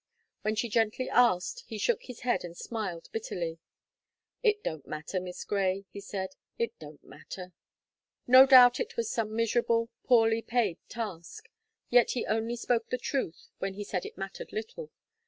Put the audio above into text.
When she gently asked, he shook his head and smiled bitterly. "It don't matter. Miss Gray," he said; "it don't matter." No doubt it was some miserable, poorly paid task. Yet he only spoke the truth, when he said it mattered little.